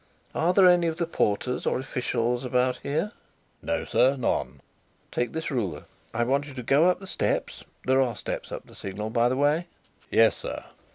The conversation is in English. Are there any of the porters or officials about here?" "No, sir; none." "Take this ruler. I want you to go up the steps there are steps up the signal, by the way?" "Yes, sir."